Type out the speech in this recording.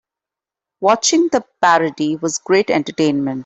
Watching the parody was great entertainment.